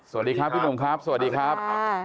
สวัสดีครับพี่หนุ่มครับสวัสดีครับ